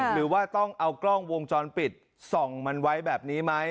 หรือว่าต้องเอากล้องวงจรปิดส่องมันไว้แบบนี้ไหม